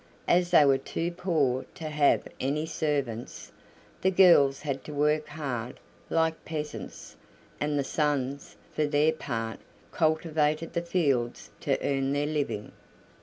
As they were too poor to have any servants, the girls had to work hard, like peasants, and the sons, for their part, cultivated the fields to earn their living.